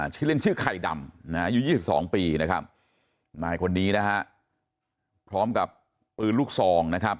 ชื่อเล่นชื่อไข่ดำอายุ๒๒ปีนะครับนายคนนี้นะฮะพร้อมกับปืนลูกซองนะครับ